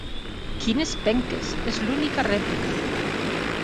Quines penques! és l'única rèplica.